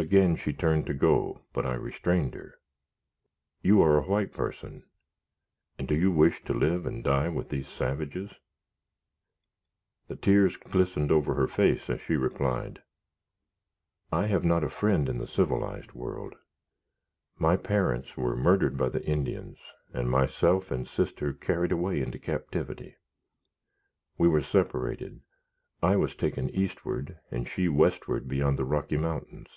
Again she turned to go, but I restrained her. "You are a white person, and do you wish to live and die with these savages?" The tears glistened on her face as she replied, "I have not a friend in the civilized world. My parents were murdered by the Indians, and myself and sister carried away in captivity. We were separated; I was taken eastward, and she westward beyond the Rocky Mountains.